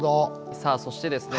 さあそしてですね